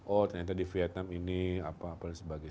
oh ternyata di vietnam ini apa apa dan sebagainya